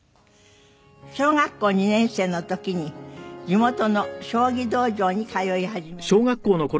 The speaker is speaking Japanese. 小学校２年生の時に地元の将棋道場に通い始めました。